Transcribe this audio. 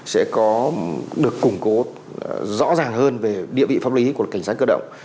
sẽ có được củng cố rõ ràng hơn về địa vị pháp lý của lực lượng cảnh sát cơ động